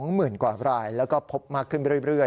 หมื่นกว่ารายแล้วก็พบมากขึ้นเรื่อย